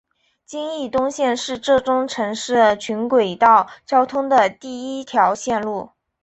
金义东线是浙中城市群轨道交通的第一条线路。